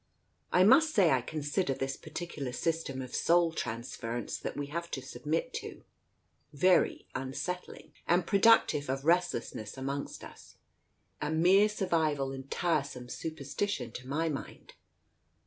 I must say I consider this particular system of soul transference that we have to submit to, very un settling and productive of restlessness among us — a mere Digitized by Google 136 TALES OF THE UNEASY survival and tiresome superstition, to my mind.